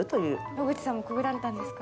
野口さんもくぐられたんですか？